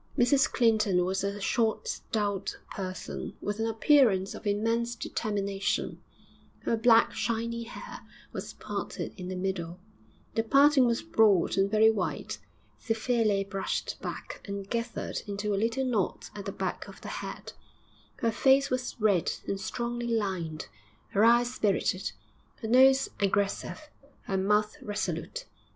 Mrs Clinton was a short, stout person, with an appearance of immense determination; her black, shiny hair was parted in the middle the parting was broad and very white severely brushed back and gathered into a little knot at the back of the head; her face was red and strongly lined, her eyes spirited, her nose aggressive, her mouth resolute.